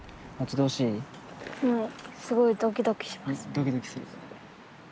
ドキドキする。